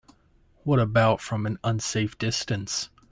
What about from an unsafe distance?